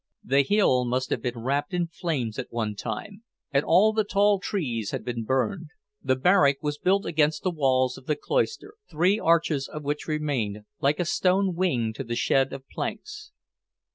The hill must have been wrapped in flames at one time, and all the tall trees had been burned. The barrack was built against the walls of the cloister, three arches of which remained, like a stone wing to the shed of planks.